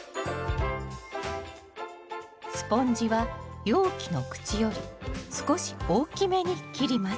スポンジは容器の口より少し大きめに切ります